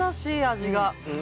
味が。